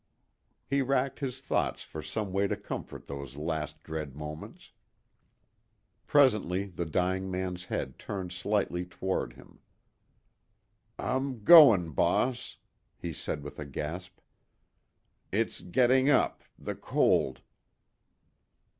He racked his thoughts for some way to comfort those last dread moments. Presently the dying man's head turned slightly toward him. "I'm goin', boss," he said with a gasp. "It's gettin' up the cold."